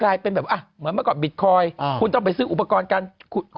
อึกอึกอึกอึกอึกอึกอึกอึกอึกอึก